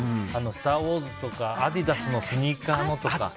「スター・ウォーズ」とかアディダスのスニーカーのとか。